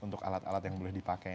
untuk alat alat yang boleh dipakai